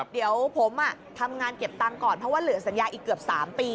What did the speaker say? เดี๋ยวผมทำงานเก็บตังค์ก่อนเพราะว่าเหลือสัญญาอีกเกือบ๓ปี